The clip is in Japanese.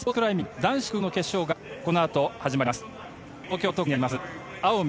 男子複合の決勝がこのあと、始まります。